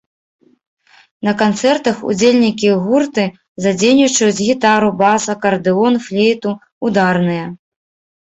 На канцэртах удзельнікі гурты задзейнічаюць гітару, бас, акардэон, флейту, ударныя.